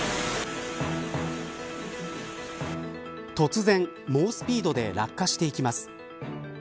突然猛スピードで落下していきます。